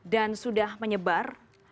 dan sudah menyebar